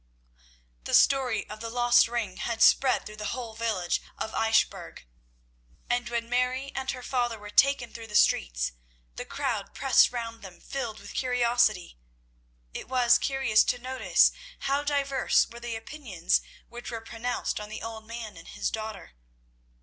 The story of the lost ring had spread through the whole village of Eichbourg, and when Mary and her father were taken through the streets, the crowd pressed round them filled with curiosity. It was curious to notice how diverse were the opinions which were pronounced on the old man and his daughter.